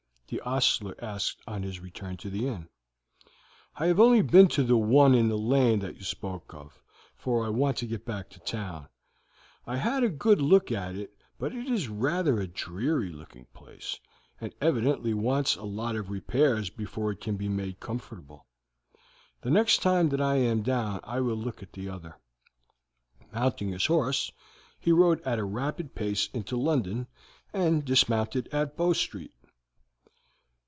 the ostler asked on his return to the inn. "I have only been to the one in the lane that you spoke of, for I want to get back to town. I had a good look at it, but it is rather a dreary looking place, and evidently wants a lot of repairs before it can be made comfortable. The next time that I am down I will look at the other." Mounting his horse, he rode at a rapid pace into London, and dismounted at Bow Street.